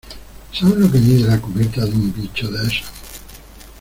¿ sabes lo que mide la cubierta de un bicho de esos?